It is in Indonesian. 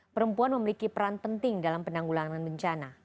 perempuan memiliki peran penting dalam penanggulangan bencana